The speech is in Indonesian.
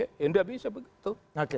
tidak bisa begitu